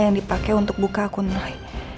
yang dipake untuk buka akun noi